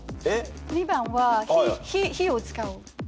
２番は火を使う。